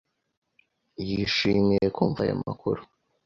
Yishimiye kumva ayo makuru.